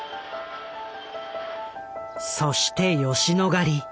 そして吉野ヶ里。